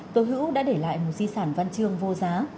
tố hữu đã để lại một di sản văn chương vô giá